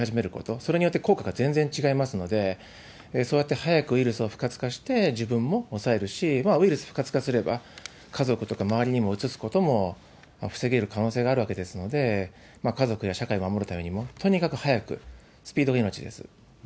それによって効果が全然違いますので、そうやってウイルスを不活化して、自分も抑えるし、ウイルス不活化すれば、家族とか周りにもうつすことも防げる可能性があるわけですので、家族や社会守るためにも、とにかく早く、スピードが命です。